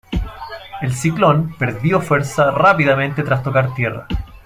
El ciclón perdió fuerza rápidamente tras tocar tierra.